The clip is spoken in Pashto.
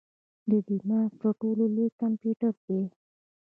دماغ تر ټولو لوی کمپیوټر دی.